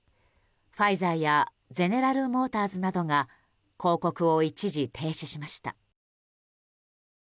ファイザーやゼネラル・モーターズなどが広告を一時停止しました。